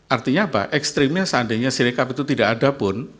artinya apa ekstrimnya seandainya sirekap itu tidak ada pun